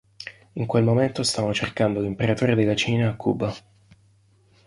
In quel momento stavano cercando l'Imperatore della Cina a Cuba.